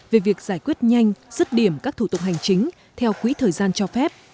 về việc giải quyết nhanh rứt điểm các thủ tục hành chính theo quỹ thời gian cho phép